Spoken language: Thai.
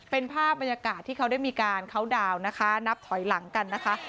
เป็นภาพบรรยากาศที่เขาได้มีการเคาน์ดาวน์นะคะนับถอยหลังกันนะคะ